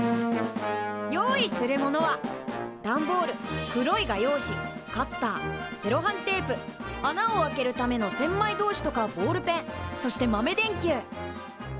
用意するものは段ボール黒い画用紙カッターセロハンテープ穴を開けるための千枚通しとかボールペンそして豆電球。